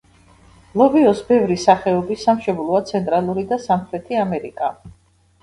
ლობიოს ბევრი სახეობის სამშობლოა ცენტრალური და სამხრეთი ამერიკა.